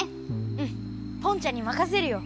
うんポンちゃんにまかせるよ。